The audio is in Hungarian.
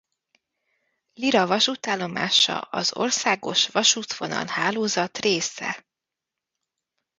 Lira vasútállomása az országos vasútvonal-hálózat része.